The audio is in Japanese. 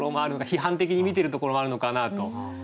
批判的に見てるところもあるのかなと。